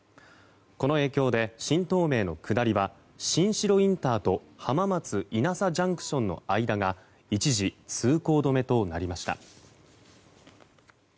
この影響で、新東名の下りは新城インターと浜松いなさＪＣＴの間が一時通行止めとなりました。